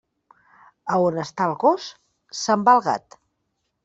A on està el gos, se'n va el gat.